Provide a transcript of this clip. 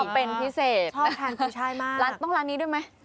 อ๋อเป็นพิเศษต้องร้านนี้ด้วยไหมชอบทานกุ้ยช่ายมาก